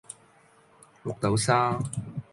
綠豆沙